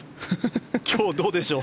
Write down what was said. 今日はどうでしょう